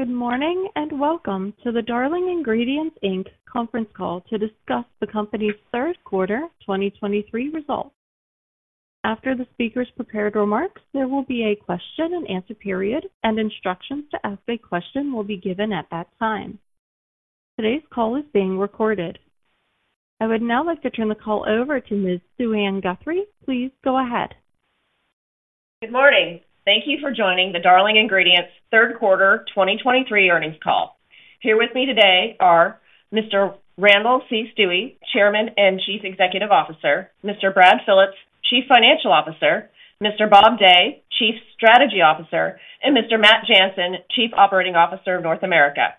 Good morning, and welcome to the Darling Ingredients Inc. conference call to discuss the company's third quarter 2023 results. After the speaker's prepared remarks, there will be a question and answer period, and instructions to ask a question will be given at that time. Today's call is being recorded. I would now like to turn the call over to Ms. Suann Guthrie. Please go ahead. Good morning. Thank you for joining the Darling Ingredients third quarter 2023 earnings call. Here with me today are Mr. Randall C. Stuewe, Chairman and Chief Executive Officer, Mr. Brad Phillips, Chief Financial Officer, Mr. Bob Day, Chief Strategy Officer, and Mr. Matt Jansen, Chief Operating Officer of North America.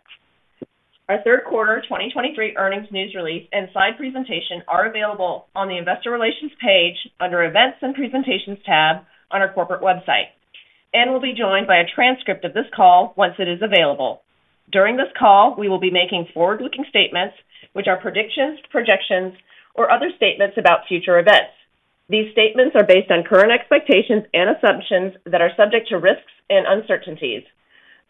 Our third quarter 2023 earnings news release and slide presentation are available on the investor relations page under Events and Presentations tab on our corporate website and will be joined by a transcript of this call once it is available. During this call, we will be making forward-looking statements, which are predictions, projections, or other statements about future events. These statements are based on current expectations and assumptions that are subject to risks and uncertainties.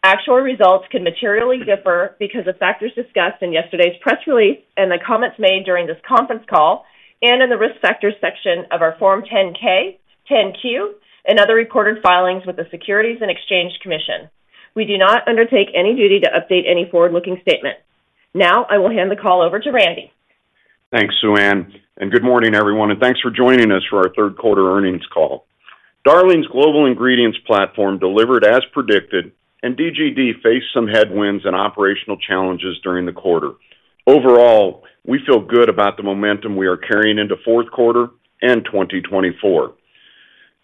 Actual results can materially differ because of factors discussed in yesterday's press release and the comments made during this conference call, and in the Risk Factors section of our Form 10-K, 10-Q, and other recorded filings with the Securities and Exchange Commission. We do not undertake any duty to update any forward-looking statements. Now I will hand the call over to Randy. Thanks, Suann, and good morning, everyone, and thanks for joining us for our third quarter earnings call. Darling's global ingredients platform delivered as predicted, and DGD faced some headwinds and operational challenges during the quarter. Overall, we feel good about the momentum we are carrying into fourth quarter and 2024.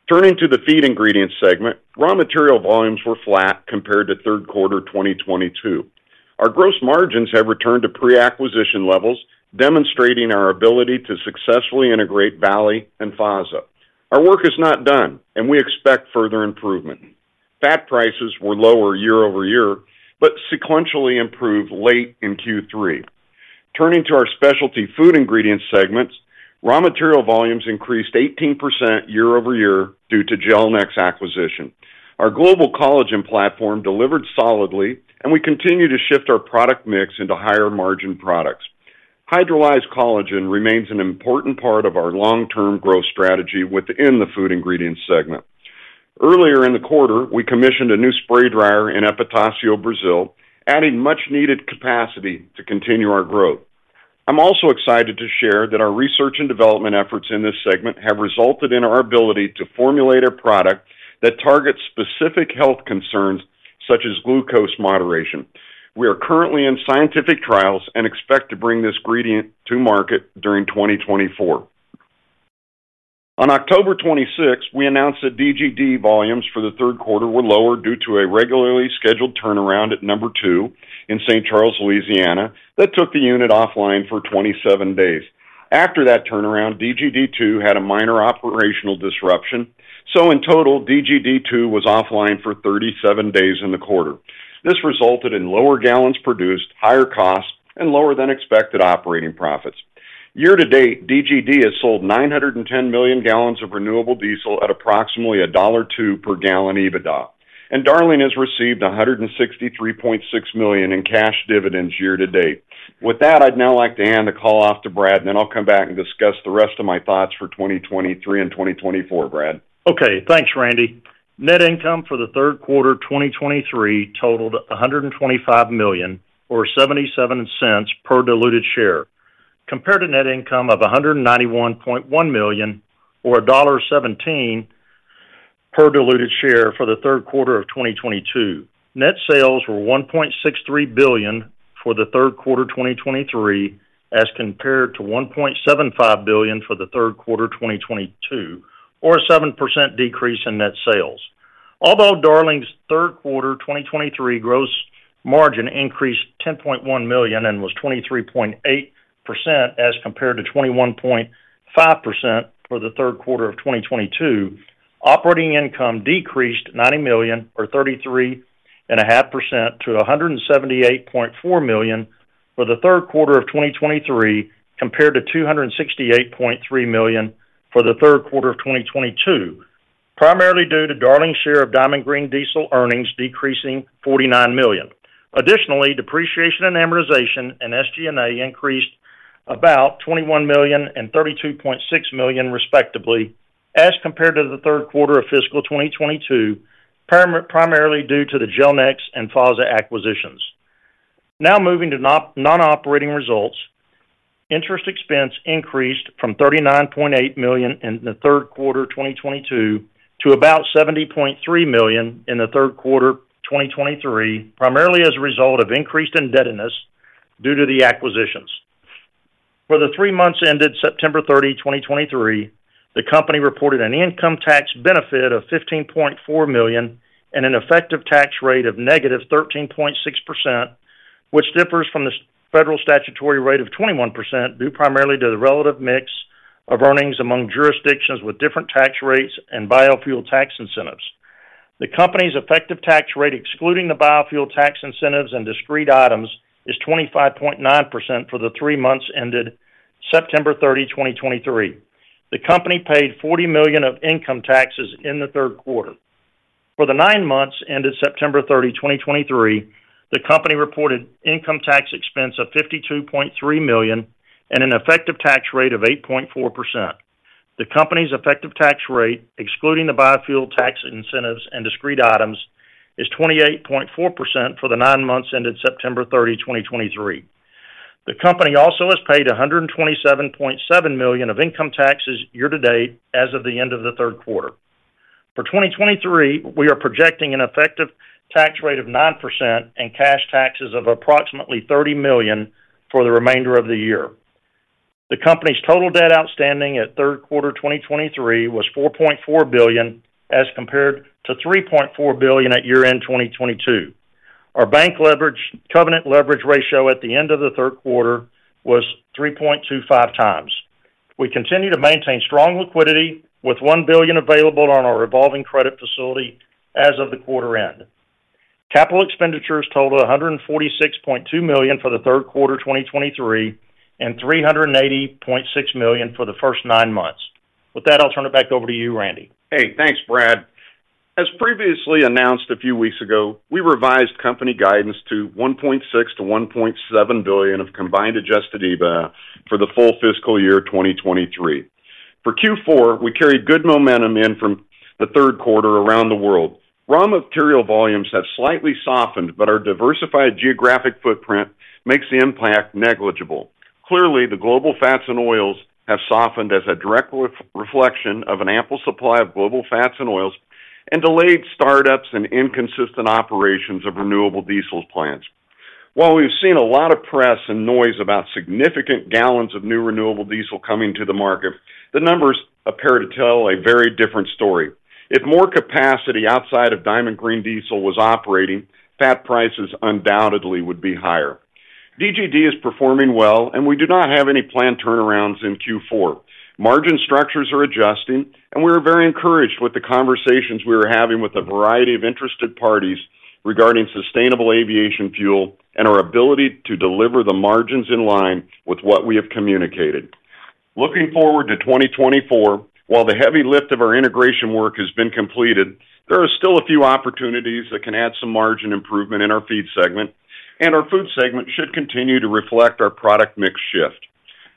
Turning to the feed ingredient segment, raw material volumes were flat compared to third quarter 2022. Our gross margins have returned to pre-acquisition levels, demonstrating our ability to successfully integrate Valley and FASA. Our work is not done, and we expect further improvement. Fat prices were lower year-over-year, but sequentially improved late in Q3. Turning to our specialty food ingredients segments, raw material volumes increased 18% year-over-year due to Gelnex acquisition. Our global collagen platform delivered solidly, and we continue to shift our product mix into higher-margin products. Hydrolyzed collagen remains an important part of our long-term growth strategy within the food ingredients segment. Earlier in the quarter, we commissioned a new spray dryer in Epitácio, Brazil, adding much-needed capacity to continue our growth. I'm also excited to share that our research and development efforts in this segment have resulted in our ability to formulate a product that targets specific health concerns, such as glucose moderation. We are currently in scientific trials and expect to bring this ingredient to market during 2024. On October 26th, we announced that DGD volumes for the third quarter were lower due to a regularly scheduled turnaround at No. 2 in St. Charles, Louisiana, that took the unit offline for 27 days. After that turnaround, DGD 2 had a minor operational disruption, so in total, DGD 2 was offline for 37 days in the quarter. This resulted in lower gallons produced, higher costs, and lower than expected operating profits. Year to date, DGD has sold 910 million gallons of renewable diesel at approximately $1.02 per gallon EBITDA, and Darling has received $163.6 million in cash dividends year to date. With that, I'd now like to hand the call off to Brad, and then I'll come back and discuss the rest of my thoughts for 2023 and 2024. Brad? Okay, thanks, Randy. Net income for the third quarter of 2023 totaled $125 million, or $0.77 per diluted share, compared to net income of $191.1 million or $1.17 per diluted share for the third quarter of 2022. Net sales were $1.63 billion for the third quarter of 2023, as compared to $1.75 billion for the third quarter of 2022, or a 7% decrease in net sales. Although Darling's third quarter 2023 gross margin increased $10.1 million and was 23.8% as compared to 21.5% for the third quarter of 2022, operating income decreased $90 million or 33.5% to $178.4 million for the third quarter of 2023, compared to $268.3 million for the third quarter of 2022, primarily due to Darling's share of Diamond Green Diesel earnings decreasing $49 million. Additionally, depreciation and amortization and SG&A increased about $21 million and $32.6 million, respectively, as compared to the third quarter of fiscal 2022, primarily due to the Gelnex and FASA acquisitions. Now moving to non-operating results. Interest expense increased from $39.8 million in the third quarter of 2022 to about $70.3 million in the third quarter of 2023, primarily as a result of increased indebtedness due to the acquisitions. For the three months ended September 30, 2023, the company reported an income tax benefit of $15.4 million and an effective tax rate of -13.6%, which differs from the federal statutory rate of 21%, due primarily to the relative mix of earnings among jurisdictions with different tax rates and biofuel tax incentives. The company's effective tax rate, excluding the biofuel tax incentives and discrete items, is 25.9% for the three months ended September 30, 2023. The company paid $40 million of income taxes in the third quarter. For the nine months ended September 30, 2023, the company reported income tax expense of $52.3 million and an effective tax rate of 8.4%. The company's effective tax rate, excluding the biofuel tax incentives and discrete items, is 28.4% for the nine months ended September 30, 2023. The company also has paid $127.7 million of income taxes year-to-date as of the end of the third quarter. For 2023, we are projecting an effective tax rate of 9% and cash taxes of approximately $30 million for the remainder of the year. The company's total debt outstanding at third quarter 2023 was $4.4 billion, as compared to $3.4 billion at year-end 2022. Our bank leverage covenant leverage ratio at the end of the third quarter was 3.25 times. We continue to maintain strong liquidity, with $1 billion available on our revolving credit facility as of the quarter end. Capital expenditures totaled $146.2 million for the third quarter 2023, and $380.6 million for the first nine months. With that, I'll turn it back over to you, Randy. Hey, thanks, Brad. As previously announced a few weeks ago, we revised company guidance to $1.6 billion-$1.7 billion of combined adjusted EBITDA for the full fiscal year of 2023. For Q4, we carried good momentum in from the third quarter around the world. Raw material volumes have slightly softened, but our diversified geographic footprint makes the impact negligible. Clearly, the global fats and oils have softened as a direct re-reflection of an ample supply of global fats and oils and delayed startups and inconsistent operations of renewable diesel plants. While we've seen a lot of press and noise about significant gallons of new renewable diesel coming to the market, the numbers appear to tell a very different story. If more capacity outside of Diamond Green Diesel was operating, fat prices undoubtedly would be higher. DGD is performing well, and we do not have any planned turnarounds in Q4. Margin structures are adjusting, and we are very encouraged with the conversations we are having with a variety of interested parties regarding sustainable aviation fuel and our ability to deliver the margins in line with what we have communicated. Looking forward to 2024, while the heavy lift of our integration work has been completed, there are still a few opportunities that can add some margin improvement in our feed segment, and our food segment should continue to reflect our product mix shift.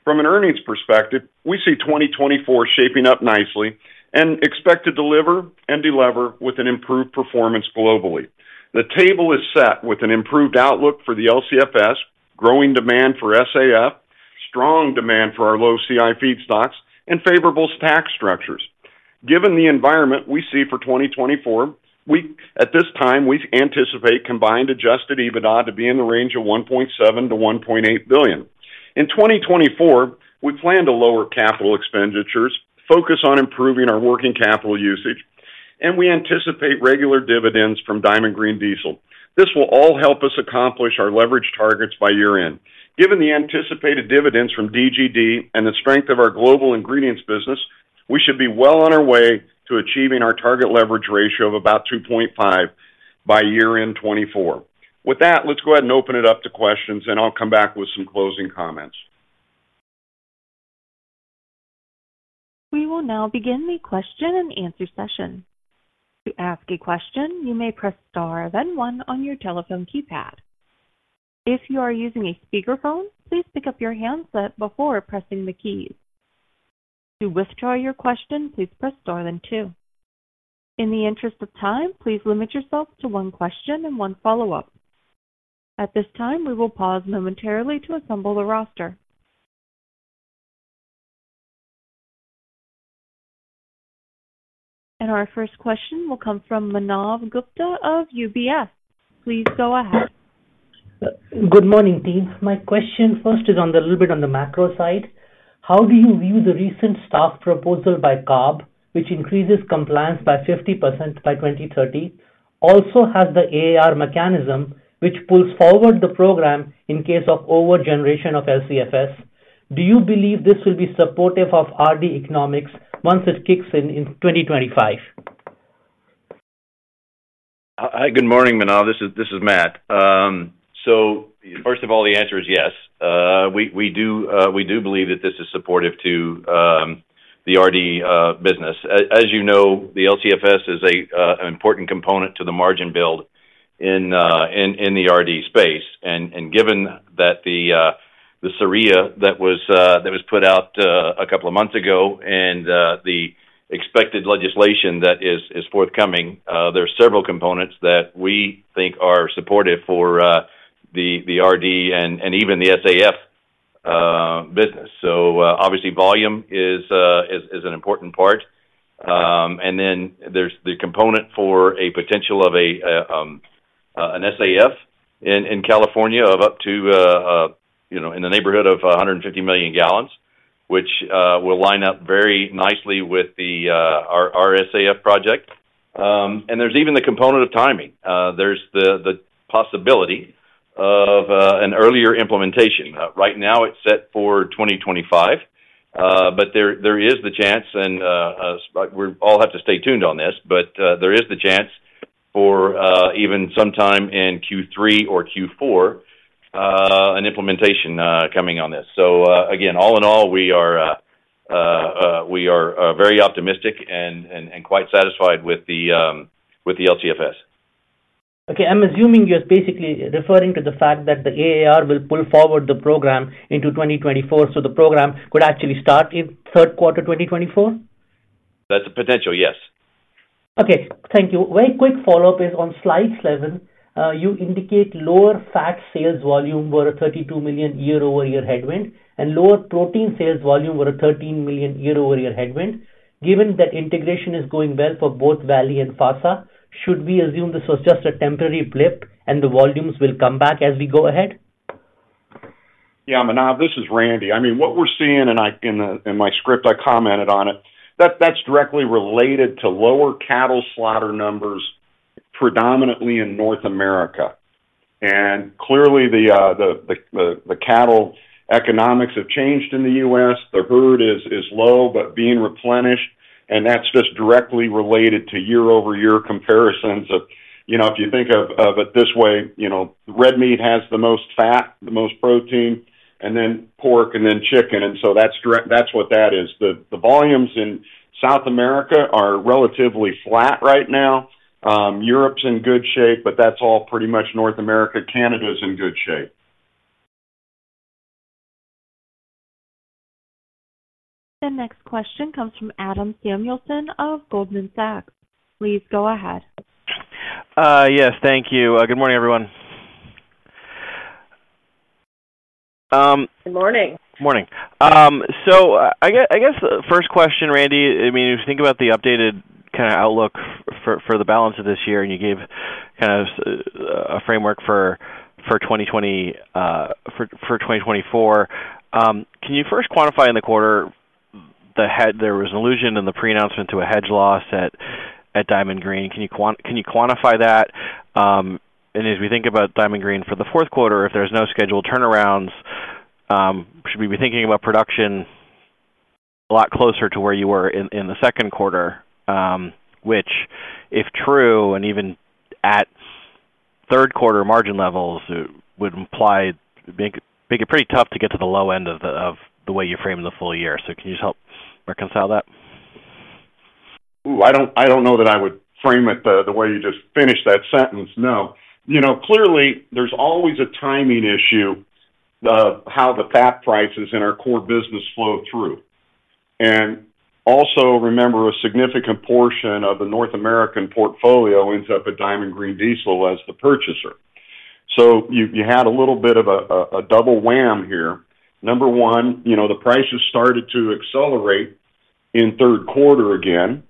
From an earnings perspective, we see 2024 shaping up nicely and expect to deliver and delever with an improved performance globally. The table is set with an improved outlook for the LCFS, growing demand for SAF, strong demand for our low CI feedstocks, and favorable tax structures. Given the environment we see for 2024, we at this time anticipate combined adjusted EBITDA to be in the range of $1.7 billion-$1.8 billion. In 2024, we plan to lower capital expenditures, focus on improving our working capital usage, and we anticipate regular dividends from Diamond Green Diesel. This will all help us accomplish our leverage targets by year-end. Given the anticipated dividends from DGD and the strength of our global ingredients business, we should be well on our way to achieving our target leverage ratio of about 2.5 by year-end 2024. With that, let's go ahead and open it up to questions, and I'll come back with some closing comments. We will now begin the question and answer session. To ask a question, you may press star, then one on your telephone keypad. If you are using a speakerphone, please pick up your handset before pressing the keys. To withdraw your question, please press star then two. In the interest of time, please limit yourself to one question and one follow-up. At this time, we will pause momentarily to assemble the roster. Our first question will come from Manav Gupta of UBS. Please go ahead. Good morning, team. My question first is on the, a little bit on the macro side. How do you view the recent staff proposal by CARB, which increases compliance by 50% by 2030, also has the AAR mechanism, which pulls forward the program in case of over-generation of LCFS? Do you believe this will be supportive of RD economics once it kicks in in 2025? Hi, good morning, Manav. This is Matt. So first of all, the answer is yes. We do believe that this is supportive to the RD business. As you know, the LCFS is an important component to the margin build in the RD space. And given that the SRIA that was put out a couple of months ago and the expected legislation that is forthcoming, there are several components that we think are supportive for the RD and even the SAF business. So obviously, volume is an important part. And then there's the component for a potential of an SAF in California of up to, you know, in the neighborhood of 150 million gallons, which will line up very nicely with our SAF project. And there's even the component of timing. There's the possibility of an earlier implementation. Right now, it's set for 2025, but there is the chance, and we all have to stay tuned on this, but there is the chance... or even sometime in Q3 or Q4, an implementation coming on this. So, again, all in all, we are very optimistic and quite satisfied with the LCFS. Okay. I'm assuming you're basically referring to the fact that the AAR will pull forward the program into 2024, so the program could actually start in third quarter 2024? That's a potential, yes. Okay, thank you. Very quick follow-up is on slide seven, you indicate lower fat sales volume were a $32 million year-over-year headwind, and lower protein sales volume were a $13 million year-over-year headwind. Given that integration is going well for both Valley and FASA, should we assume this was just a temporary blip and the volumes will come back as we go ahead? Yeah, Manav, this is Randy. I mean, what we're seeing, and I in my script, I commented on it, that's directly related to lower cattle slaughter numbers, predominantly in North America. And clearly, the cattle economics have changed in the US. The herd is low, but being replenished, and that's just directly related to year-over-year comparisons of, you know, if you think of it this way, you know, red meat has the most fat, the most protein, and then pork, and then chicken, and so that's direct, that's what that is. The volumes in South America are relatively flat right now. Europe's in good shape, but that's all pretty much North America. Canada's in good shape. The next question comes from Adam Samuelson of Goldman Sachs. Please go ahead. Yes, thank you. Good morning, everyone. Good morning. Morning. I guess, first question, Randy, I mean, if you think about the updated kinda outlook for the balance of this year, and you gave kind of a framework for 2024. Can you first quantify in the quarter the head—there was an allusion in the pre-announcement to a hedge loss at Diamond Green. Can you quantify that? And as we think about Diamond Green for the fourth quarter, if there's no scheduled turnarounds, should we be thinking about production a lot closer to where you were in the second quarter, which, if true, and even at third quarter margin levels, would imply, make it pretty tough to get to the low end of the way you're framing the full year. Can you just help reconcile that? Ooh, I don't, I don't know that I would frame it the, the way you just finished that sentence. No. You know, clearly, there's always a timing issue of how the fat prices in our core business flow through. And also, remember, a significant portion of the North American portfolio ends up at Diamond Green Diesel as the purchaser. So you, you had a little bit of a, a double wham here. Number one, you know, the prices started to accelerate in third quarter again,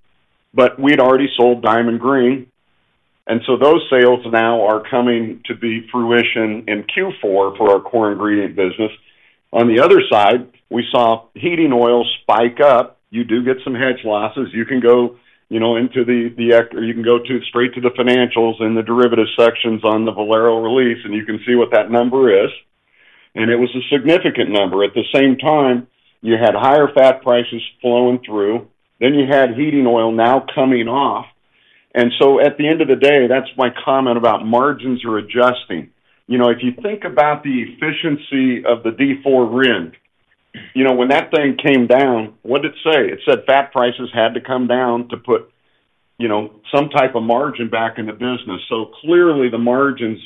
but we'd already sold Diamond Green, and so those sales now are coming to be fruition in Q4 for our core ingredient business. On the other side, we saw heating oil spike up. You do get some hedge losses. You can go, you know, into the, the... You can go straight to the financials in the derivatives sections on the Valero release, and you can see what that number is. And it was a significant number. At the same time, you had higher fat prices flowing through, then you had heating oil now coming off. And so at the end of the day, that's my comment about margins are adjusting. You know, if you think about the efficiency of the D4 RIN, you know, when that thing came down, what did it say? It said fat prices had to come down to put, you know, some type of margin back in the business. So clearly, the margins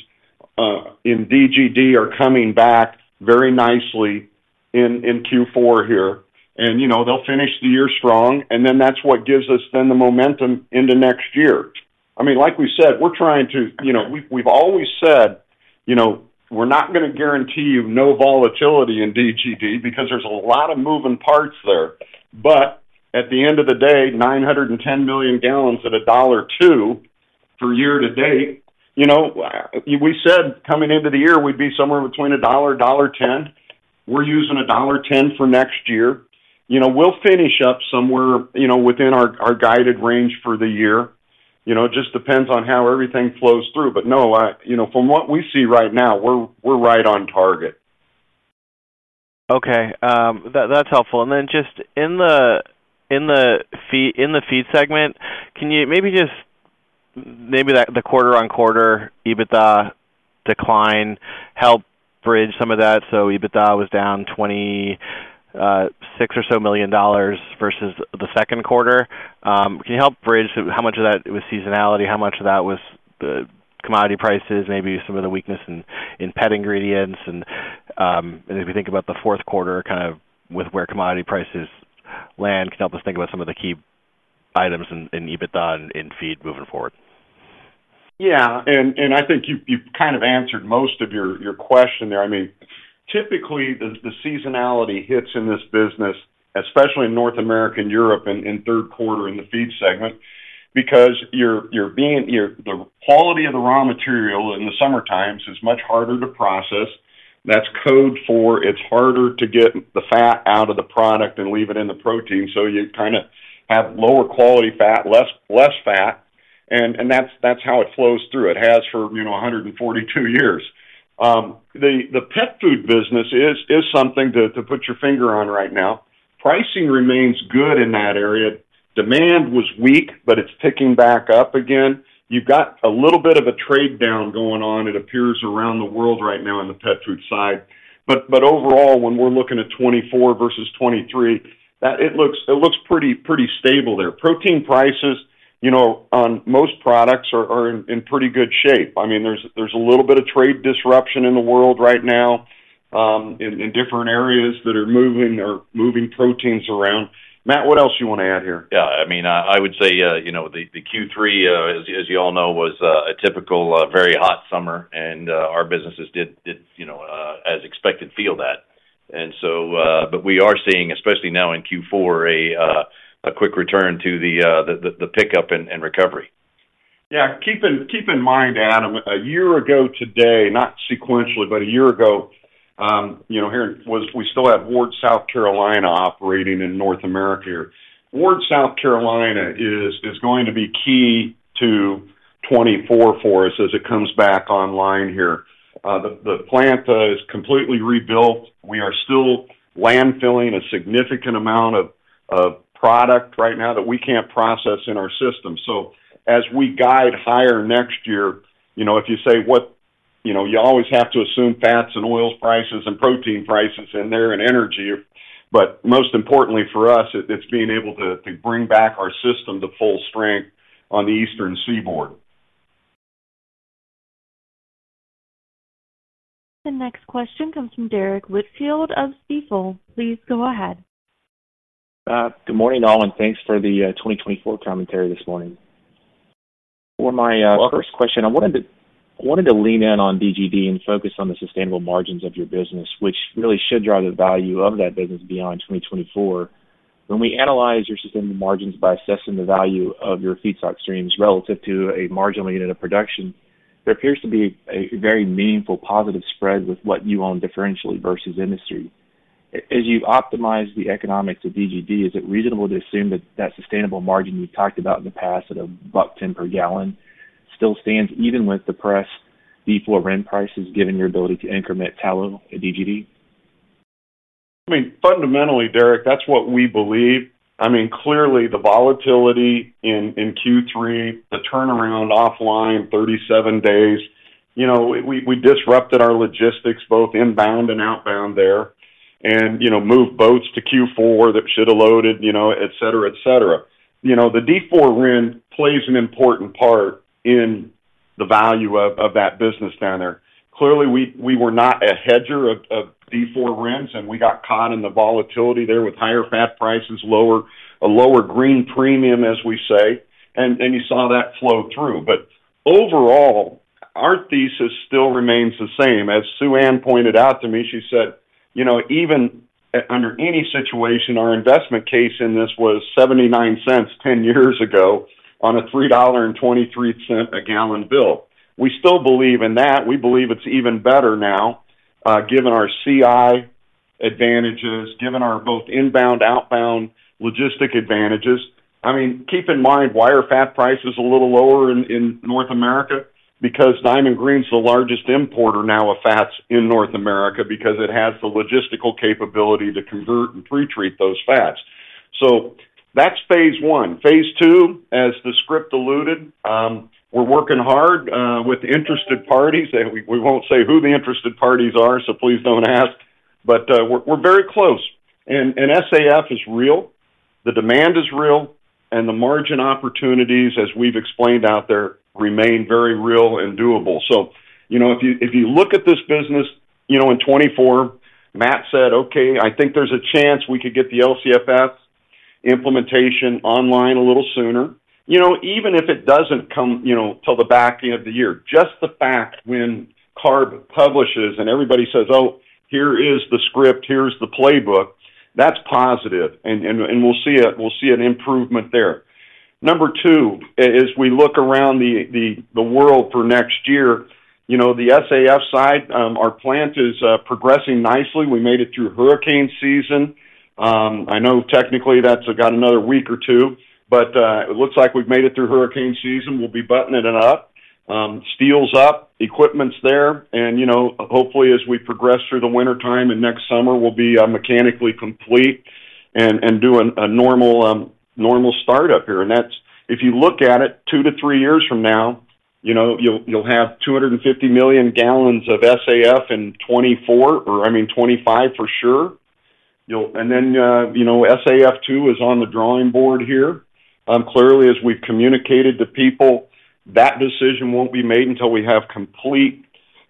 in DGD are coming back very nicely in Q4 here. And, you know, they'll finish the year strong, and then that's what gives us then the momentum into next year. I mean, like we said, we're trying to, you know, we've, we've always said, you know, we're not gonna guarantee you no volatility in DGD because there's a lot of moving parts there. But at the end of the day, 910 million gallons at $1.02 for year to date, you know, we said coming into the year, we'd be somewhere between $1-$1.10. We're using $1.10 for next year. You know, we'll finish up somewhere, you know, within our, our guided range for the year. You know, it just depends on how everything flows through. But no, I, you know, from what we see right now, we're, we're right on target. Okay, that, that's helpful. And then just in the feed segment, can you maybe just—maybe the quarter-on-quarter EBITDA decline, help bridge some of that. So EBITDA was down $26 million or so versus the second quarter. Can you help bridge how much of that was seasonality, how much of that was the commodity prices, maybe some of the weakness in pet ingredients, and if you think about the fourth quarter, kind of with where commodity prices land, can help us think about some of the key items in EBITDA and in feed moving forward? Yeah, and I think you kind of answered most of your question there. I mean, typically, the seasonality hits in this business, especially in North America and Europe, in third quarter in the feed segment, because the quality of the raw material in the summertime is much harder to process. That's code for it's harder to get the fat out of the product and leave it in the protein, so you kinda have lower quality fat, less fat, and that's how it flows through. It has for, you know, 142 years. The pet food business is something to put your finger on right now... pricing remains good in that area. Demand was weak, but it's ticking back up again. You've got a little bit of a trade down going on, it appears, around the world right now in the pet food side. But overall, when we're looking at 2024 versus 2023, it looks pretty stable there. Protein prices, you know, on most products are in pretty good shape. I mean, there's a little bit of trade disruption in the world right now, in different areas that are moving proteins around. Matt, what else you wanna add here? Yeah, I mean, I would say, you know, the Q3, as you all know, was a typical very hot summer, and our businesses did, you know, as expected, feel that. And so, but we are seeing, especially now in Q4, a quick return to the pickup and recovery. Yeah. Keep in, keep in mind, Adam, a year ago today, not sequentially, but a year ago, you know, here was-- we still had Ward, South Carolina, operating in North America. Ward, South Carolina, is, is going to be key to 2024 for us as it comes back online here. The, the plant, is completely rebuilt. We are still landfilling a significant amount of, of product right now that we can't process in our system. So as we guide higher next year, you know, if you say what-- you know, you always have to assume fats and oils prices and protein prices in there and energy, but most importantly for us, it, it's being able to, to bring back our system to full strength on the eastern seaboard. The next question comes from Derrick Whitfield of Stifel. Please go ahead. Good morning, all, and thanks for the 2024 commentary this morning. For my first question, I wanted to lean in on DGD and focus on the sustainable margins of your business, which really should drive the value of that business beyond 2024. When we analyze your sustainable margins by assessing the value of your feedstock streams relative to a marginal unit of production, there appears to be a very meaningful positive spread with what you own differentially versus industry. As you've optimized the economics of DGD, is it reasonable to assume that that sustainable margin you've talked about in the past at $1.10 per gallon still stands, even with the depressed D4 RIN prices, given your ability to increment tallow at DGD? I mean, fundamentally, Derrick, that's what we believe. I mean, clearly, the volatility in Q3, the turnaround offline, 37 days, you know, we disrupted our logistics, both inbound and outbound there, and, you know, moved boats to Q4 that should have loaded, you know, et cetera, et cetera. You know, the D4 RIN plays an important part in the value of that business down there. Clearly, we were not a hedger of D4 RINs, and we got caught in the volatility there with higher fat prices, lower - a lower green premium, as we say, and you saw that flow through. But overall, our thesis still remains the same. As Suann pointed out to me, she said, "You know, even under any situation, our investment case in this was $0.79 10 years ago on a $3.23 a gallon bill." We still believe in that. We believe it's even better now given our CI advantages, given our both inbound, outbound logistic advantages. I mean, keep in mind, why are fat prices a little lower in North America? Because Diamond Green Diesel's the largest importer now of fats in North America, because it has the logistical capability to convert and pre-treat those fats. So that's phase one. Phase two, as the script alluded, we're working hard with interested parties. We won't say who the interested parties are, so please don't ask, but we're very close. SAF is real, the demand is real, and the margin opportunities, as we've explained out there, remain very real and doable. So, you know, if you, if you look at this business, you know, in 2024, Matt said, "Okay, I think there's a chance we could get the LCFS implementation online a little sooner." You know, even if it doesn't come, you know, till the back end of the year, just the fact when CARB publishes and everybody says, "Oh, here is the script, here's the playbook," that's positive, and, and, and we'll see it. We'll see an improvement there. Number two, as we look around the world for next year, you know, the SAF side, our plant is progressing nicely. We made it through hurricane season. I know technically that's got another week or two, but it looks like we've made it through hurricane season. We'll be buttoning it up. Steel's up, equipment's there, and, you know, hopefully, as we progress through the wintertime and next summer, we'll be mechanically complete and do a normal startup here. And that's-- if you look at it, two to three years from now, you know, you'll have 250 million gallons of SAF in 2024, or, I mean, 2025 for sure. You'll-- and then, you know, SAF two is on the drawing board here. Clearly, as we've communicated to people, that decision won't be made until we have complete,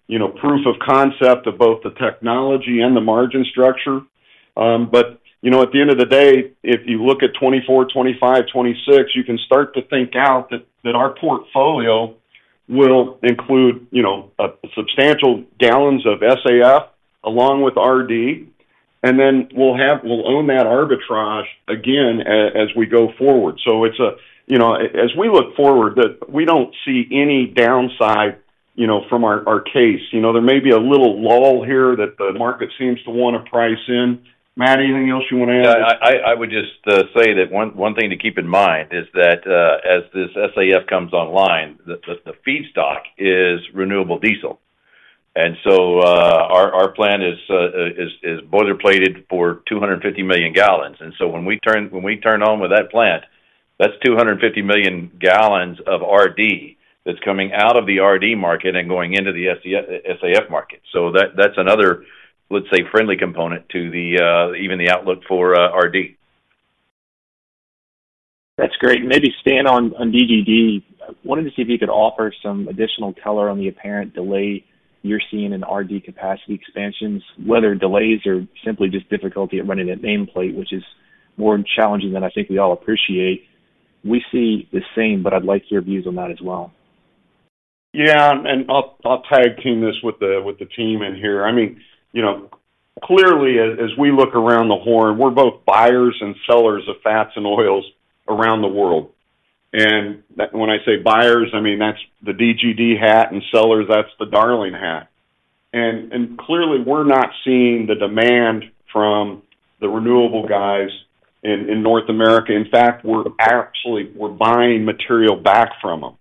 you know, proof of concept of both the technology and the margin structure. But, you know, at the end of the day, if you look at 2024, 2025, 2026, you can start to think out that, that our portfolio will include, you know, a substantial gallons of SAF along with RD, and then we'll have we'll own that arbitrage again as we go forward. So it's a... You know, as we look forward, that we don't see any downside, you know, from our case. You know, there may be a little lull here that the market seems to want to price in. Matt, anything else you want to add? I would just say that one thing to keep in mind is that, as this SAF comes online, the feedstock is renewable diesel. And so, our plan is boiler plated for 250 million gallons. And so when we turn on with that plant, that's 250 million gallons of RD that's coming out of the RD market and going into the SAF market. So that's another, let's say, friendly component to even the outlook for RD. That's great. Maybe staying on DGD, I wanted to see if you could offer some additional color on the apparent delay you're seeing in RD capacity expansions, whether delays or simply just difficulty of running at nameplate, which is more challenging than I think we all appreciate. We see the same, but I'd like your views on that as well. Yeah, and I'll tag team this with the team in here. I mean, you know, clearly, as we look around the horn, we're both buyers and sellers of fats and oils around the world. And when I say buyers, I mean, that's the DGD hat, and sellers, that's the Darling hat. And clearly, we're not seeing the demand from the renewable guys in North America. In fact, we're actually, we're buying material back from them.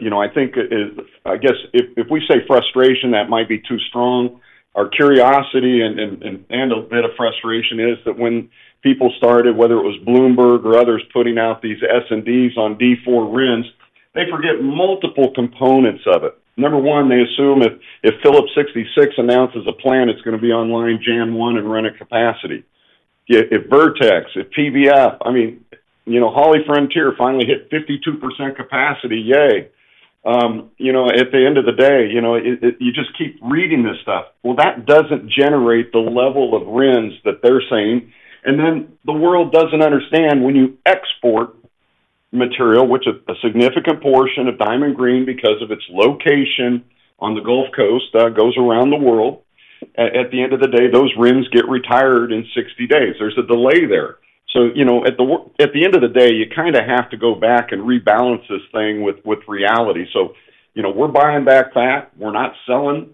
You know, I think, I guess if we say frustration, that might be too strong. Our curiosity and a bit of frustration is that when people started, whether it was Bloomberg or others, putting out these S&Ds on D4 RINs, they forget multiple components of it. Number one, they assume if Phillips 66 announces a plan, it's gonna be online January 1 and run at capacity. Yet if Vertex, if PBF, I mean, you know, HollyFrontier finally hit 52% capacity, yay! You know, at the end of the day, you know, it you just keep reading this stuff. Well, that doesn't generate the level of RINs that they're saying. And then the world doesn't understand when you export material, which a significant portion of Diamond Green Diesel because of its location on the Gulf Coast goes around the world. At the end of the day, those RINs get retired in 60 days. There's a delay there. So, you know, at the end of the day, you kind of have to go back and rebalance this thing with reality. So, you know, we're buying back fat, we're not selling,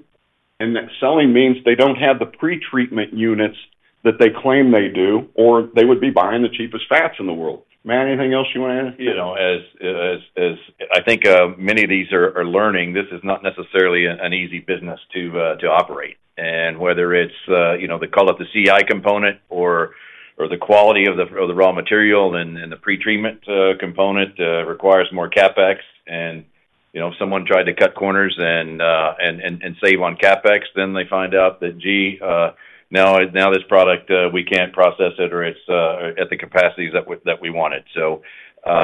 and selling means they don't have the pretreatment units that they claim they do, or they would be buying the cheapest fats in the world. Matt, anything else you want to add? You know, as I think, many of these are learning, this is not necessarily an easy business to operate. And whether it's, you know, they call it the CI component or the quality of the raw material and the pretreatment component requires more CapEx. And, you know, if someone tried to cut corners and save on CapEx, then they find out that, gee, now this product we can't process it or it's at the capacities that we wanted. So,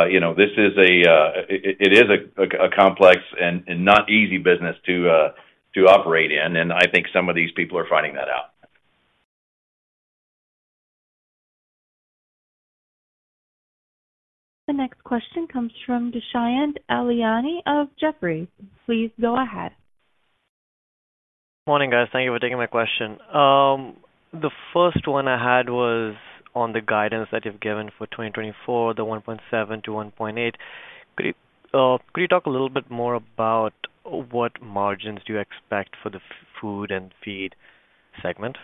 you know, this is a, it is a complex and not easy business to operate in, and I think some of these people are finding that out. The next question comes from Dushyant Ailani of Jefferies. Please go ahead. Morning, guys. Thank you for taking my question. The first one I had was on the guidance that you've given for 2024, the 1.7-1.8. Could you talk a little bit more about what margins do you expect for the food and feed segment?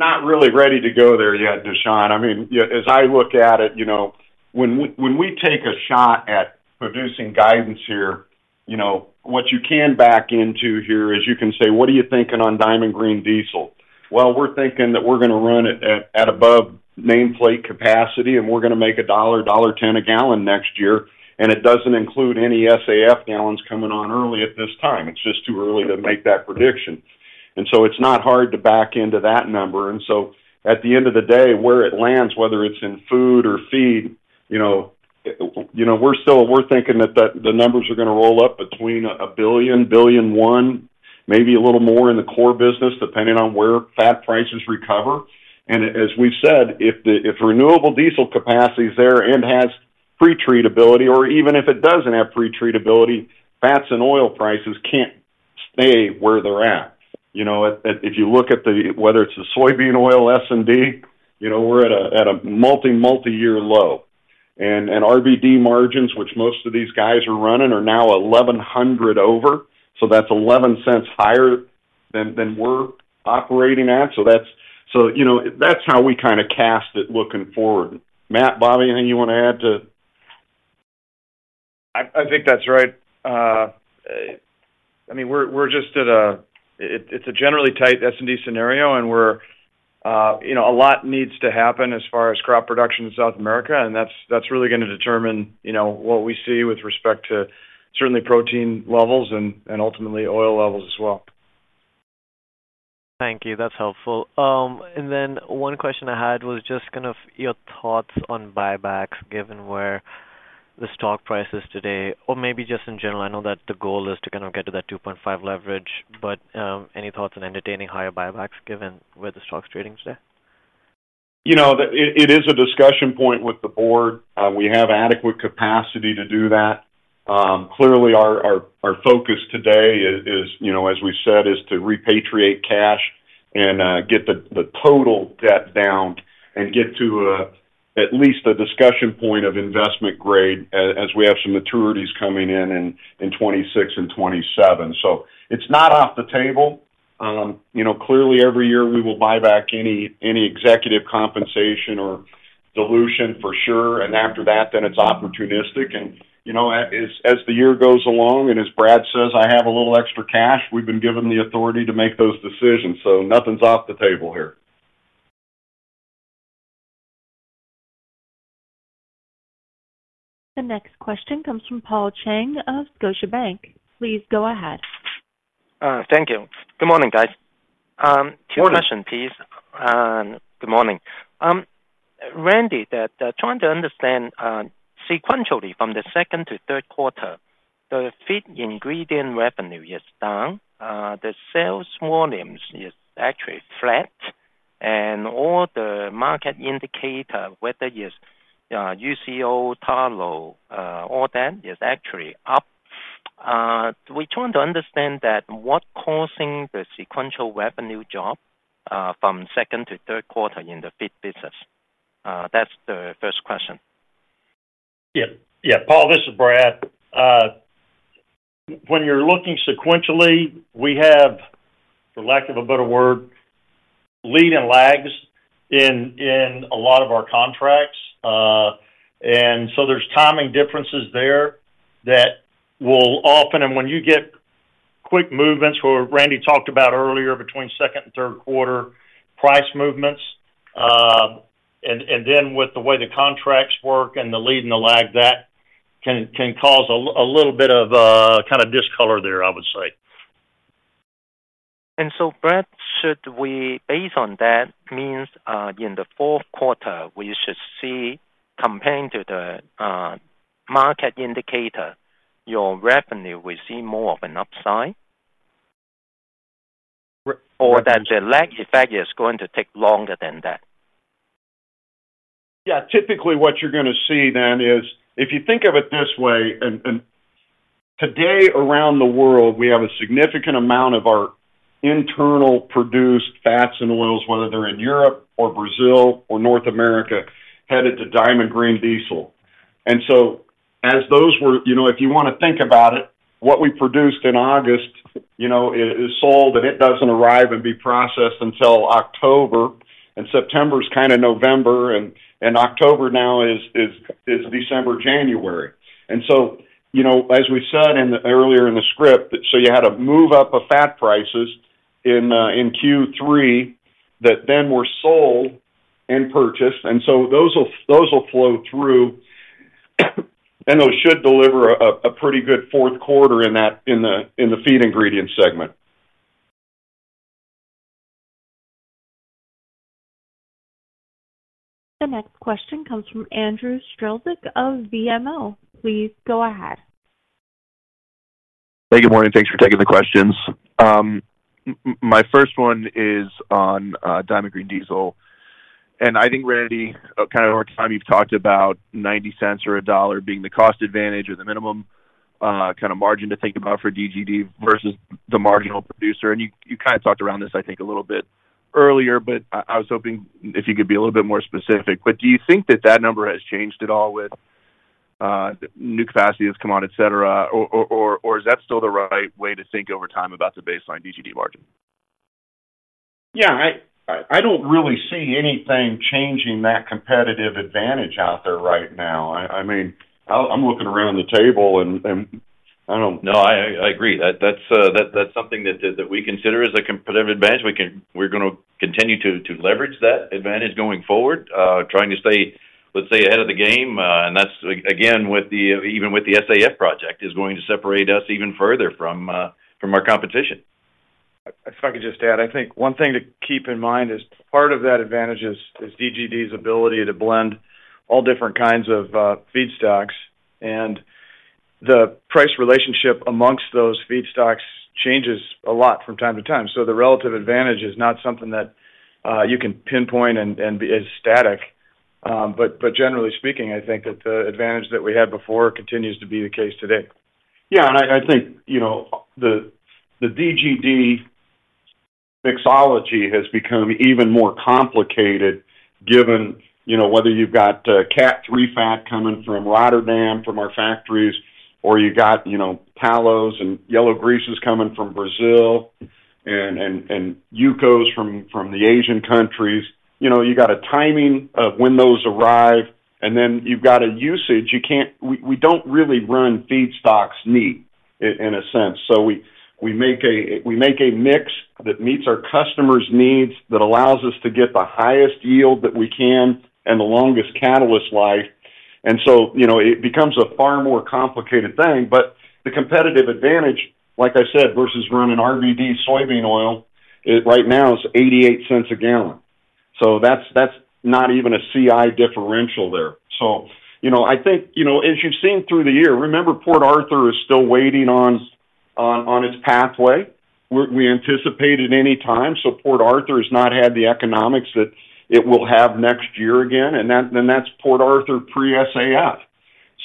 Not really ready to go there yet, Dushyant. I mean, yeah, as I look at it, you know, when we, when we take a shot at producing guidance here, you know, what you can back into here is you can say: What are you thinking on Diamond Green Diesel? Well, we're thinking that we're gonna run it at, at above nameplate capacity, and we're gonna make $1, $1.10 a gallon next year, and it doesn't include any SAF gallons coming on early at this time. It's just too early to make that prediction. So it's not hard to back into that number. And so at the end of the day, where it lands, whether it's in food or feed, you know, we're still thinking that the numbers are gonna roll up between $1 billion-$1.1 billion, maybe a little more in the core business, depending on where fat prices recover. And as we've said, if renewable diesel capacity is there and has pretreatability, or even if it doesn't have pretreatability, fats and oil prices can't stay where they're at. You know, if you look at whether it's the soybean oil S&D, you know, we're at a multi-year low, and RBD margins, which most of these guys are running, are now 1,100 over, so that's $0.11 higher than we're operating at. So, you know, that's how we kind of cast it looking forward. Matt, Bobby, anything you want to add to? I think that's right. I mean, we're just at a, it's a generally tight S&D scenario, and we're, you know, a lot needs to happen as far as crop production in South America, and that's really gonna determine, you know, what we see with respect to certainly protein levels and ultimately oil levels as well. Thank you. That's helpful. And then one question I had was just kind of your thoughts on buybacks, given where the stock price is today, or maybe just in general. I know that the goal is to kind of get to that 2.5 leverage, but, any thoughts on entertaining higher buybacks given where the stock's trading today? You know, it is a discussion point with the board. We have adequate capacity to do that. Clearly, our focus today is, you know, as we said, to repatriate cash and get the total debt down and get to at least a discussion point of investment grade A- as we have some maturities coming in in 2026 and 2027. So it's not off the table. You know, clearly, every year we will buy back any executive compensation or dilution for sure, and after that, then it's opportunistic. And, you know, as the year goes along, and as Brad says, I have a little extra cash, we've been given the authority to make those decisions, so nothing's off the table here. The next question comes from Paul Cheng of Scotiabank. Please go ahead. Thank you. Good morning, guys. Two question, please. Good morning. Good morning. Randy, trying to understand, sequentially from the second to third quarter, the feed ingredient revenue is down, the sales volumes is actually flat, and all the market indicator, whether it's, UCO, tallow, all that, is actually up. We're trying to understand that what causing the sequential revenue drop, from second to third quarter in the feed business? That's the first question. Yeah. Yeah, Paul, this is Brad. When you're looking sequentially, we have, for lack of a better word, lead and lags in a lot of our contracts. And so there's timing differences there that will often, and when you get quick movements, where Randy talked about earlier between second and third quarter price movements, and then with the way the contracts work and the lead and the lag, that can cause a little bit of kind of discolor there, I would say. So, Brad, should we, based on that, means, in the fourth quarter, we should see, comparing to the, market indicator, your revenue, we see more of an upside? Or that the lag effect is going to take longer than that. Yeah, typically what you're gonna see then is, if you think of it this way, and today, around the world, we have a significant amount of our internal produced fats and oils, whether they're in Europe or Brazil or North America, headed to Diamond Green Diesel. And so as those were. You know, if you want to think about it, what we produced in August, you know, is sold, and it doesn't arrive and be processed until October. And September is kind of November, and October now is December, January. And so, you know, as we said earlier in the script, so you had a move up of fat prices in Q3, that then were sold and purchased, and so those will flow through, and those should deliver a pretty good fourth quarter in the feed ingredient segment. The next question comes from Andrew Strelzik of BMO. Please go ahead. Hey, good morning. Thanks for taking the questions. My first one is on Diamond Green Diesel, and I think, Randy, kind of over time, you've talked about $0.90 or $1 being the cost advantage or the minimum kind of margin to think about for DGD versus the marginal producer. And you kind of talked around this, I think, a little bit earlier, but I was hoping if you could be a little bit more specific. But do you think that that number has changed at all with new capacities come on, et cetera, or is that still the right way to think over time about the baseline DGD margin? Yeah, I don't really see anything changing that competitive advantage out there right now. I mean, I'm looking around the table and I don't- No, I agree. That's something that we consider as a competitive advantage. We're gonna continue to leverage that advantage going forward, trying to stay, let's say, ahead of the game, and that's, again, even with the SAF project, is going to separate us even further from our competition. If I could just add, I think one thing to keep in mind is part of that advantage is DGD's ability to blend all different kinds of feedstocks, and the price relationship among those feedstocks changes a lot from time to time. So the relative advantage is not something that you can pinpoint and be as static. But generally speaking, I think that the advantage that we had before continues to be the case today. Yeah, and I think, you know, the DGD mixology has become even more complicated, given, you know, whether you've got CAT 3 fat coming from Rotterdam, from our factories, or you got, you know, tallows and yellow greases coming from Brazil and Yukos from the Asian countries. You know, you got a timing of when those arrive, and then you've got a usage. You can't. We don't really run feedstocks neat in a sense. So we make a mix that meets our customer's needs, that allows us to get the highest yield that we can and the longest catalyst life. And so, you know, it becomes a far more complicated thing. But the competitive advantage, like I said, versus running RBD soybean oil, it right now is $0.88 a gallon. So that's not even a CI differential there. So, you know, I think, you know, as you've seen through the year, remember, Port Arthur is still waiting on its pathway. We anticipate at any time, so Port Arthur has not had the economics that it will have next year again, and that's Port Arthur pre-SAF.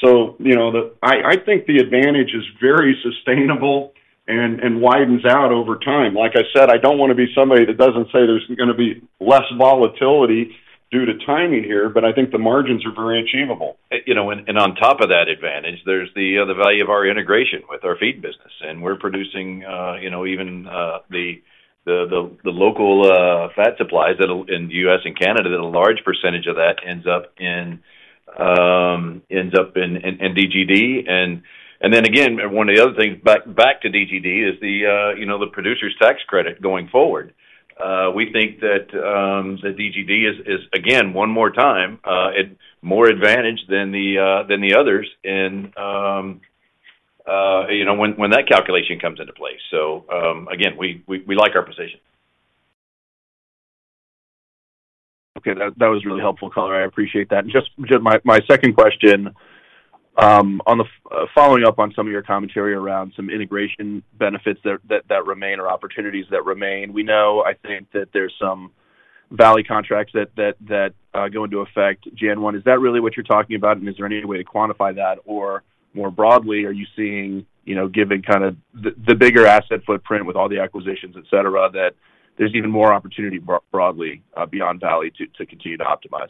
So, you know, I think the advantage is very sustainable and widens out over time. Like I said, I don't want to be somebody that doesn't say there's gonna be less volatility due to timing here, but I think the margins are very achievable. You know, and on top of that advantage, there's the value of our integration with our feed business, and we're producing, you know, even the local fat supplies that'll in the U.S. and Canada, that a large percentage of that ends up in... ends up in DGD. And then again, one of the other things back to DGD is, you know, the producer's tax credit going forward. We think that DGD is again, one more time, at more advantage than the others in, you know, when that calculation comes into play. So, again, we like our position. Okay, that was really helpful, Colin. I appreciate that. Just my second question, on the following up on some of your commentary around some integration benefits that remain or opportunities that remain. We know, I think, that there's some Valley contracts that go into effect January 1. Is that really what you're talking about, and is there any way to quantify that? Or more broadly, are you seeing, you know, given kind of the bigger asset footprint with all the acquisitions, et cetera, that there's even more opportunity broadly, beyond Valley to continue to optimize?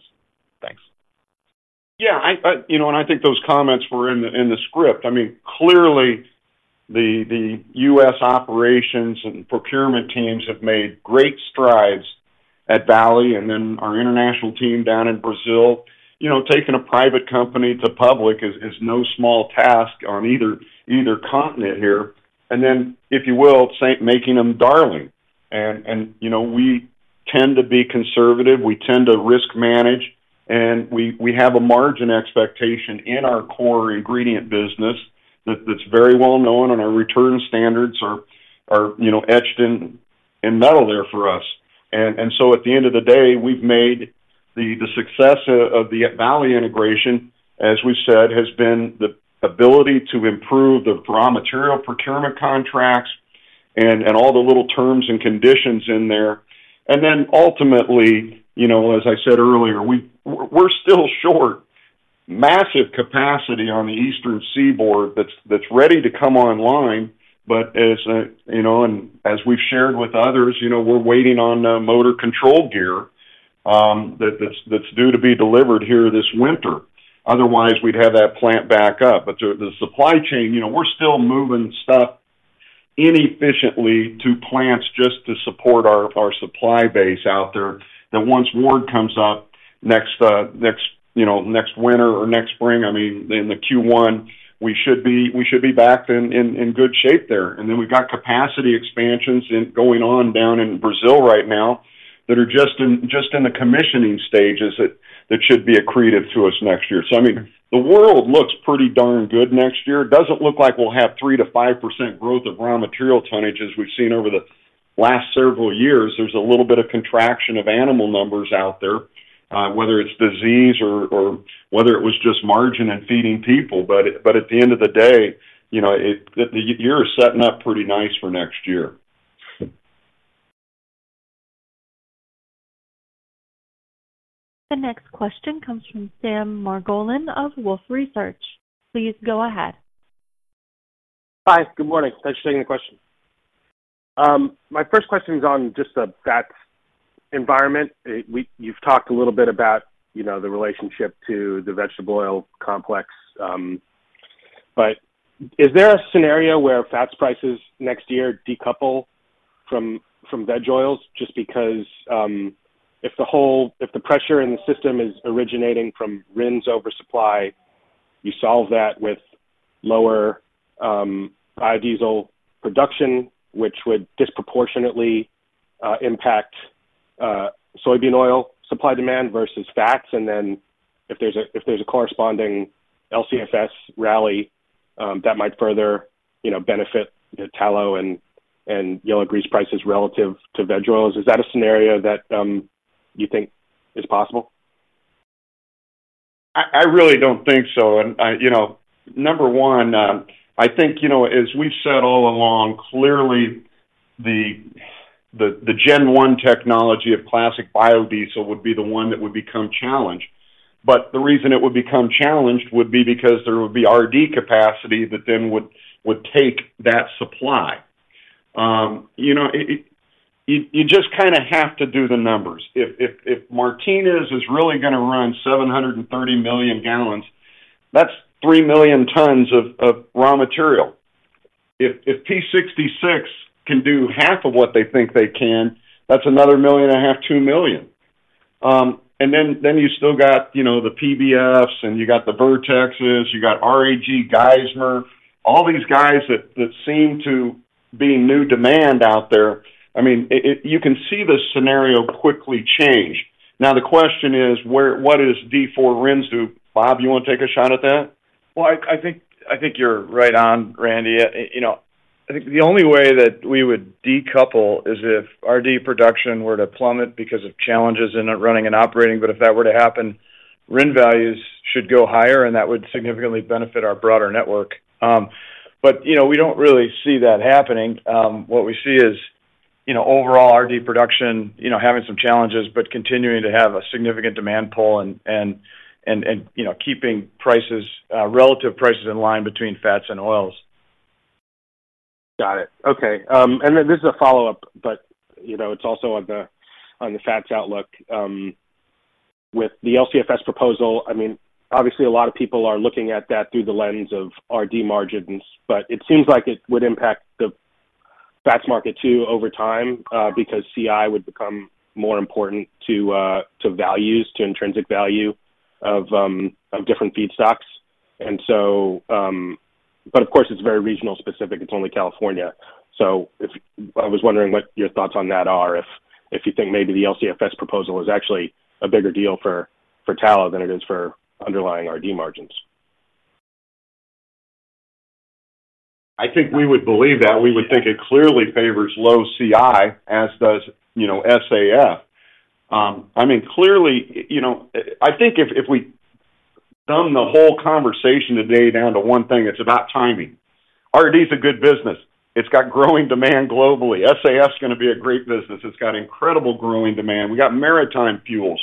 Thanks. Yeah, I... You know, and I think those comments were in the, in the script. I mean, clearly, the U.S. operations and procurement teams have made great strides at Valley, and then our international team down in Brazil. You know, taking a private company to public is no small task on either continent here. And then, if you will, say, making them darling. And, and, you know, we tend to be conservative, we tend to risk manage, and we have a margin expectation in our core ingredient business that's very well known, and our return standards are, you know, etched in metal there for us. And so at the end of the day, we've made the success of the Valley integration, as we've said, has been the ability to improve the raw material procurement contracts and all the little terms and conditions in there. And then ultimately, you know, as I said earlier, we're still short massive capacity on the Eastern Seaboard that's ready to come online. But as you know, and as we've shared with others, you know, we're waiting on motor control gear that that's due to be delivered here this winter. Otherwise, we'd have that plant back up. But the supply chain, you know, we're still moving stuff inefficiently to plants just to support our supply base out there, that once Ward comes up next winter or next spring, I mean, in the Q1, we should be back in good shape there. And then we've got capacity expansions in going on down in Brazil right now, that are just in the commissioning stages that should be accretive to us next year. So I mean, the world looks pretty darn good next year. It doesn't look like we'll have 3%-5% growth of raw material tonnage as we've seen over the last several years. There's a little bit of contraction of animal numbers out there, whether it's disease or whether it was just margin and feeding people. But at the end of the day, you know, it, the year is setting up pretty nice for next year. The next question comes from Sam Margolin of Wolfe Research. Please go ahead. Hi, good morning. Thanks for taking the question. My first question is on just the fats environment. You've talked a little bit about, you know, the relationship to the vegetable oil complex, but is there a scenario where fats prices next year decouple from veg oils? Just because if the pressure in the system is originating from RINs oversupply, you solve that with lower biodiesel production, which would disproportionately impact soybean oil supply-demand versus fats. And then if there's a corresponding LCFS rally, that might further, you know, benefit the tallow and yellow grease prices relative to veg oils. Is that a scenario that you think is possible? I really don't think so. And you know, number one, I think, you know, as we've said all along, clearly, the gen one technology of classic biodiesel would be the one that would become challenged. But the reason it would become challenged would be because there would be RD capacity that then would take that supply. You know, it, you just kinda have to do the numbers. If Martinez is really gonna run 730 million gallons, that's 3 million tons of raw material. If Phillips 66 can do half of what they think they can, that's another 1.5 million, 2 million. And then you still got, you know, the PBFs, and you got the Vertexes, you got REG, Geismar, all these guys that seem to be new demand out there. I mean, you can see this scenario quickly change. Now, the question is, what is D4 RINs do? Bob, you want to take a shot at that? Well, I think you're right on, Randy. You know, I think the only way that we would decouple is if RD production were to plummet because of challenges in it running and operating. But if that were to happen, RIN values should go higher, and that would significantly benefit our broader network. But, you know, we don't really see that happening. What we see is, you know, overall RD production, you know, having some challenges, but continuing to have a significant demand pull and you know, keeping prices, relative prices in line between fats and oils. Got it. Okay. And then this is a follow-up, but, you know, it's also on the, on the fats outlook. With the LCFS proposal, I mean, obviously a lot of people are looking at that through the lens of RD margins, but it seems like it would impact the fats market too over time, because CI would become more important to, to values, to intrinsic value of, of different feedstocks. And so, but of course, it's very regional specific. It's only California. I was wondering what your thoughts on that are, if, if you think maybe the LCFS proposal is actually a bigger deal for, for tallow than it is for underlying RD margins. I think we would believe that. We would think it clearly favors low CI, as does, you know, SAF. I mean, clearly, you know, I think if we thumb the whole conversation today down to one thing, it's about timing. RD is a good business. It's got growing demand globally. SAF is gonna be a great business. It's got incredible growing demand. We got maritime fuels.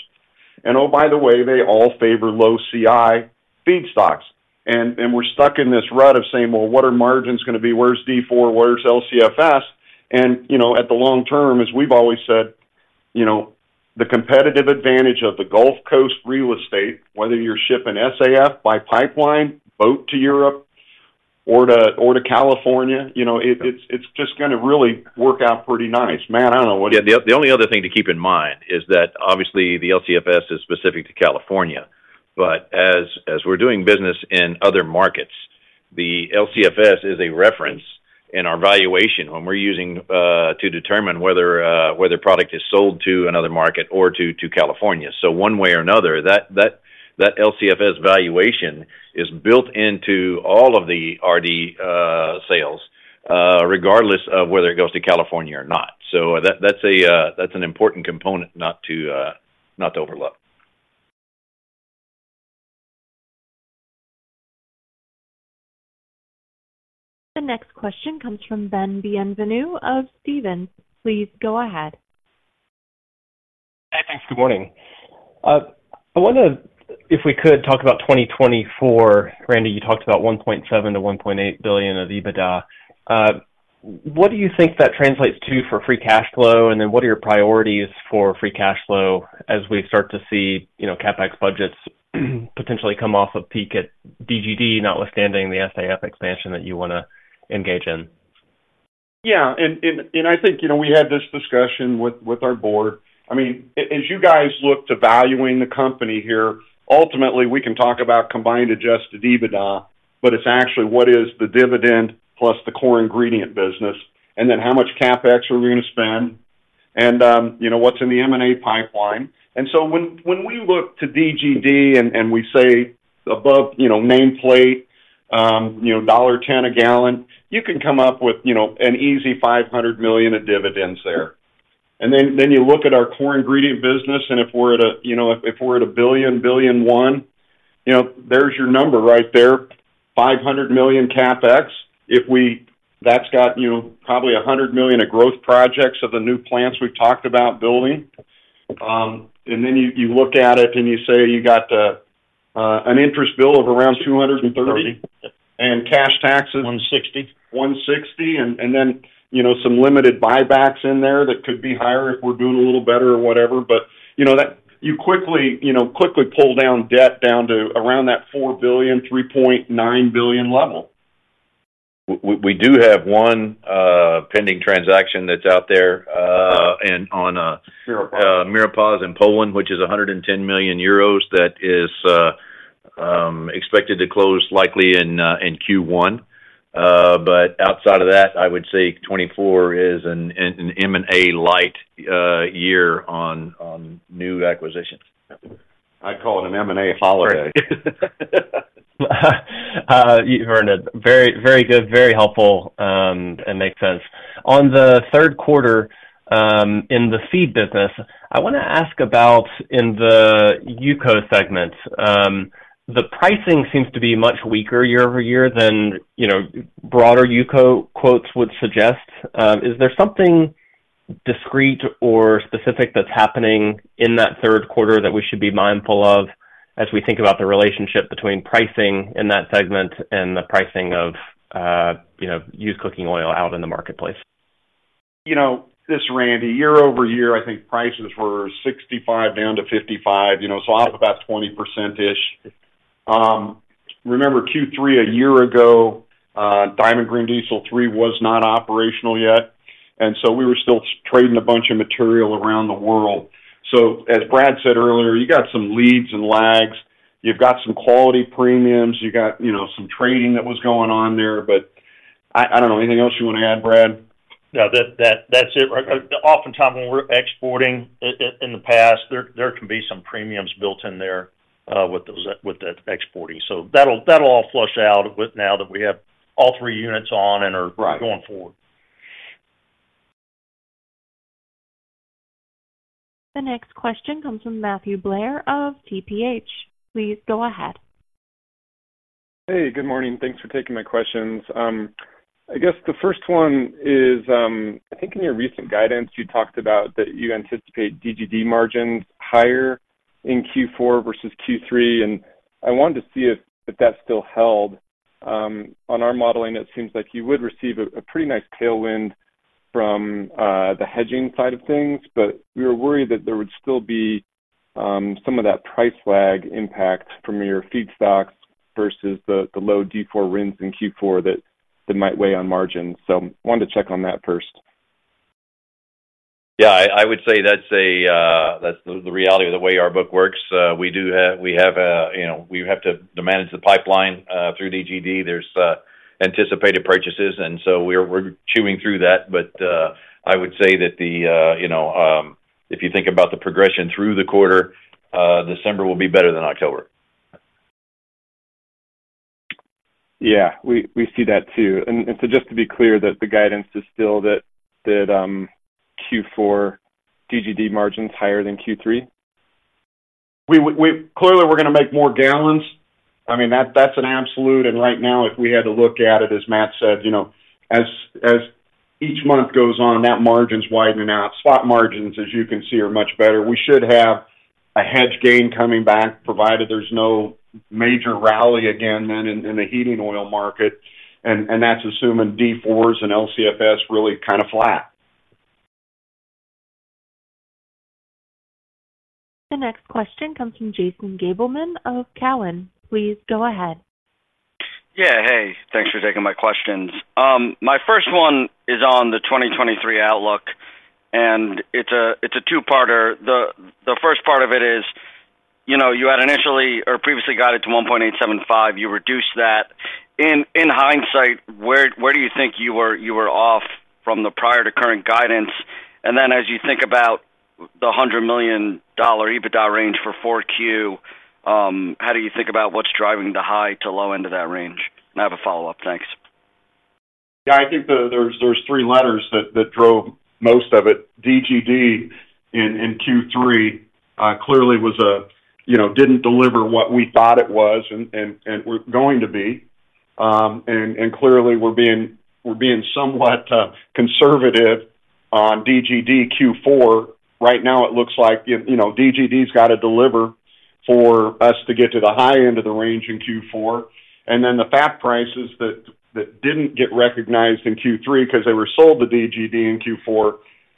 And oh, by the way, they all favor low CI feedstocks. And we're stuck in this rut of saying, "Well, what are margins gonna be? Where's D4? Where's LCFS?" And, you know, at the long term, as we've always said, you know, the competitive advantage of the Gulf Coast real estate, whether you're shipping SAF by pipeline, boat to Europe or to California, you know, it's just gonna really work out pretty nice. Matt, I don't know what- Yeah, the only other thing to keep in mind is that, obviously, the LCFS is specific to California. But as we're doing business in other markets, the LCFS is a reference in our valuation when we're using to determine whether product is sold to another market or to California. So one way or another, that LCFS valuation is built into all of the RD sales, regardless of whether it goes to California or not. So that's an important component not to overlook. The next question comes from Ben Bienvenu of Stephens. Please go ahead. Hi, thanks. Good morning. I wonder if we could talk about 2024. Randy, you talked about $1.7 billion-$1.8 billion of EBITDA. What do you think that translates to for free cash flow? And then what are your priorities for free cash flow as we start to see, you know, CapEx budgets potentially come off of peak at DGD, notwithstanding the SAF expansion that you wanna engage in? Yeah, and I think, you know, we had this discussion with our board. I mean, as you guys look to valuing the company here, ultimately, we can talk about combined adjusted EBITDA, but it's actually what is the dividend plus the core ingredient business, and then how much CapEx are we gonna spend? And, you know, what's in the M&A pipeline. And so when we look to DGD and we say above, you know, nameplate, you know, $1.10 a gallon, you can come up with, you know, an easy $500 million of dividends there. And then you look at our core ingredient business, and if we're at a, you know, if we're at a $1 billion-$1.1 billion, you know, there's your number right there, $500 million CapEx. If we—that's got, you know, probably $100 million of growth projects of the new plants we've talked about building. And then you, you look at it and you say, you got, an interest bill of around $230, and cash taxes- One sixty. 160, and, and then, you know, some limited buybacks in there that could be higher if we're doing a little better or whatever. But, you know, that—you quickly, you know, quickly pull down debt down to around that $4 billion, $3.9 billion level. We do have one pending transaction that's out there, and on- Miropasz. Miropasz in Poland, which is 110 million euros, that is, expected to close likely in Q1. But outside of that, I would say 2024 is an M&A light year on new acquisitions. I call it an M&A holiday. You heard it. Very, very good, very helpful, and makes sense. On the third quarter, in the feed business, I wanna ask about in the UCO segment, the pricing seems to be much weaker year-over-year than, you know, broader UCO quotes would suggest. Is there something discrete or specific that's happening in that third quarter that we should be mindful of as we think about the relationship between pricing in that segment and the pricing of, you know, used cooking oil out in the marketplace? You know, this, Randy, year-over-year, I think prices were 65 down to 55, you know, so up about 20%-ish. Remember Q3 a year ago, Diamond Green Diesel 3 was not operational yet, and so we were still trading a bunch of material around the world. So as Brad said earlier, you got some leads and lags, you've got some quality premiums, you got, you know, some trading that was going on there, but I, I don't know. Anything else you want to add, Brad? No, that's it. Oftentimes, when we're exporting in the past, there can be some premiums built in there with those, with the exporting. So that'll all flush out with now that we have all three units on and are- Right. Going forward. The next question comes from Matthew Blair of TPH. Please go ahead. Hey, good morning. Thanks for taking my questions. I guess the first one is, I think in your recent guidance, you talked about that you anticipate DGD margins higher in Q4 versus Q3, and I wanted to see if, if that still held. On our modeling, it seems like you would receive a, a pretty nice tailwind from, the hedging side of things, but we were worried that there would still be,... some of that price lag impact from your feedstocks versus the low D4 RINs in Q4 that might weigh on margins. So wanted to check on that first. Yeah, I would say that's the reality of the way our book works. We do have, you know, we have to manage the pipeline through DGD. There's anticipated purchases, and so we're chewing through that. But I would say that, you know, if you think about the progression through the quarter, December will be better than October. Yeah, we see that too. And so just to be clear that the guidance is still that Q4 DGD margin's higher than Q3? Clearly, we're gonna make more gallons. I mean, that's an absolute, and right now, if we had to look at it, as Matt said, you know, as each month goes on, that margin's widening out. Spot margins, as you can see, are much better. We should have a hedge gain coming back, provided there's no major rally again then in the heating oil market, and that's assuming D4s and LCFS really kind of flat. The next question comes from Jason Gabelman of Cowen. Please go ahead. Yeah. Hey, thanks for taking my questions. My first one is on the 2023 outlook, and it's a two-parter. The first part of it is, you know, you had initially or previously guided to 1.875. You reduced that. In hindsight, where do you think you were off from the prior to current guidance? And then, as you think about the $100 million EBITDA range for 4Q, how do you think about what's driving the high to low end of that range? And I have a follow-up. Thanks. Yeah, I think there's three letters that drove most of it. DGD in Q3 clearly was a, you know, didn't deliver what we thought it was and were going to be. And clearly, we're being somewhat conservative on DGD Q4. Right now, it looks like, you know, DGD's gotta deliver for us to get to the high end of the range in Q4. And then the fat prices that didn't get recognized in Q3, 'cause they were sold to DGD in Q4,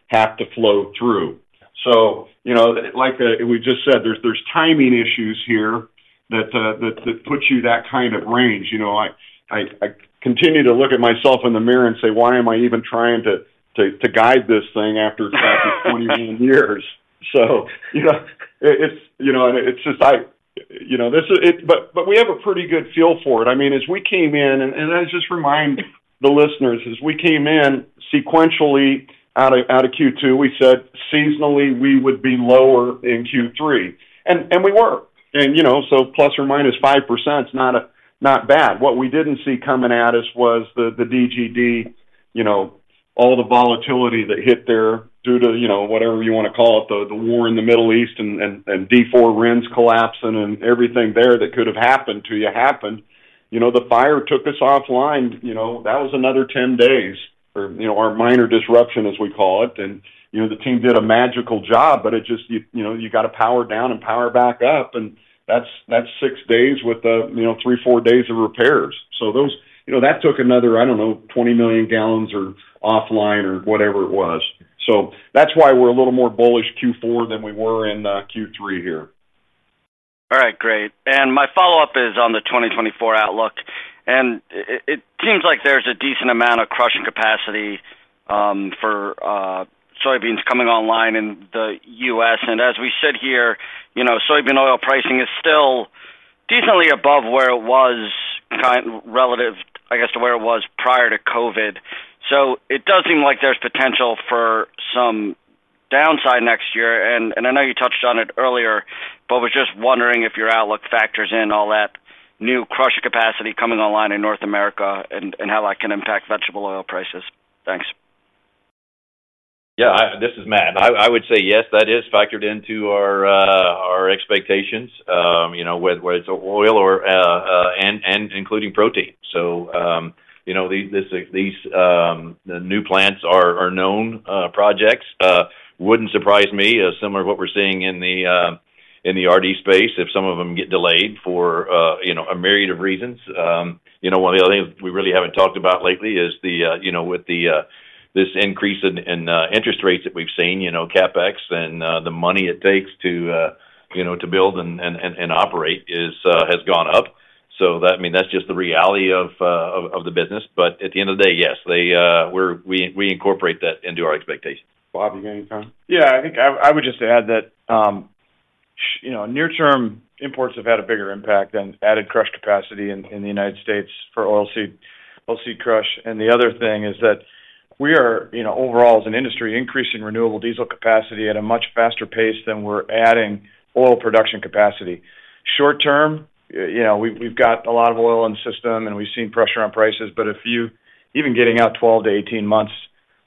have to flow through. So, you know, like, we just said, there's timing issues here that puts you that kind of range. You know, I continue to look at myself in the mirror and say, "Why am I even trying to guide this thing after 21 years?" So, you know, it's, you know, and it's just... You know, this is it. But we have a pretty good feel for it. I mean, as we came in, and I just remind the listeners, as we came in sequentially out of Q2, we said seasonally, we would be lower in Q3. And we were. And, you know, so ±5% is not bad. What we didn't see coming at us was the DGD, you know, all the volatility that hit there due to, you know, whatever you wanna call it, the war in the Middle East and D4 RINs collapsing and everything there that could have happened to you happened. You know, the fire took us offline, you know, that was another 10 days or, you know, or a minor disruption, as we call it. And, you know, the team did a magical job, but it just, you know, you got to power down and power back up, and that's six days with three, four days of repairs. So those... You know, that took another, I don't know, 20 million gallons offline or whatever it was. So that's why we're a little more bullish Q4 than we were in Q3 here. All right, great. And my follow-up is on the 2024 outlook, and it seems like there's a decent amount of crushing capacity for soybeans coming online in the U.S. And as we sit here, you know, soybean oil pricing is still decently above where it was kind of relative, I guess, to where it was prior to COVID. So it does seem like there's potential for some downside next year. And I know you touched on it earlier, but I was just wondering if your outlook factors in all that new crushing capacity coming online in North America and how that can impact vegetable oil prices. Thanks. Yeah, this is Matt. I would say, yes, that is factored into our expectations, you know, whether it's oil or and including protein. So, you know, these the new plants are known projects. Wouldn't surprise me, as similar to what we're seeing in the RD space, if some of them get delayed for, you know, a myriad of reasons. You know, one of the other things we really haven't talked about lately is, you know, with this increase in interest rates that we've seen, you know, CapEx and the money it takes to, you know, to build and operate is has gone up. So that, I mean, that's just the reality of the business. But at the end of the day, yes, they, we incorporate that into our expectations. Bob, you got anything? Yeah, I think I would just add that, you know, near-term imports have had a bigger impact than added crush capacity in the United States for oilseed crush. And the other thing is that we are, you know, overall as an industry, increasing renewable diesel capacity at a much faster pace than we're adding oil production capacity. Short-term, you know, we've got a lot of oil in the system, and we've seen pressure on prices, but if you—even getting out 12-18 months,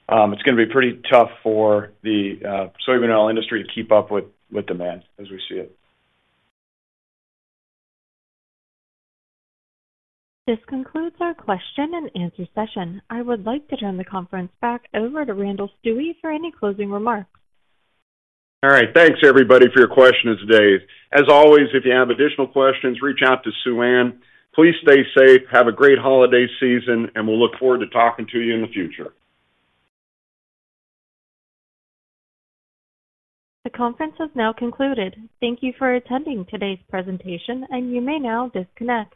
it's gonna be pretty tough for the soybean oil industry to keep up with demand as we see it. This concludes our question and answer session. I would like to turn the conference back over to Randall Stuewe for any closing remarks. All right. Thanks, everybody, for your questions today. As always, if you have additional questions, reach out to Suann. Please stay safe, have a great holiday season, and we'll look forward to talking to you in the future. The conference has now concluded. Thank you for attending today's presentation, and you may now disconnect.